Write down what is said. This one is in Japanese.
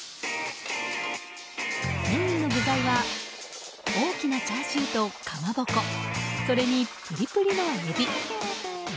メインの具材は大きなチャーシューとかまぼこそれに、プリプリのエビ。